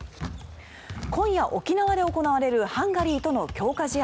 今夜、沖縄で行われるハンガリーとの強化試合。